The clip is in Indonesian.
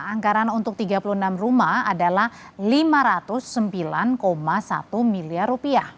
anggaran untuk tiga puluh enam rumah adalah rp lima ratus sembilan satu miliar